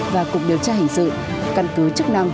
và cục điều tra hình sự căn cứ chức năng